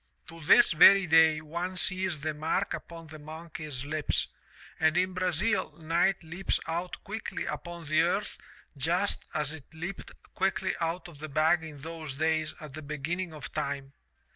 * 'To this very day one sees the mark upon the monkey's lips, and in Brazil night leaps out quickly upon the earth just as it leaped quickly out of the bag in those days at the beginning of time.